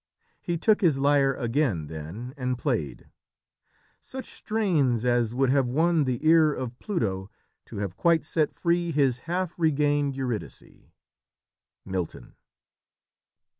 He took his lyre again then and played: "Such strains as would have won the ear Of Pluto, to have quite set free His half regained Eurydice." Milton.